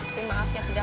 tapi maaf ya tidak